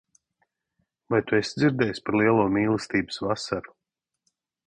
Vai tu esi dzirdējis par Lielo Mīlestības Vasaru?